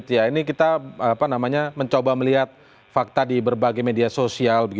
ini kita mencoba melihat fakta di berbagai media sosial